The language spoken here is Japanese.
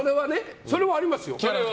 それはありますよ。